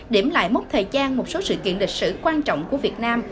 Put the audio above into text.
điểm lại mốt thời trang một số sự kiện lịch sử quan trọng của việt nam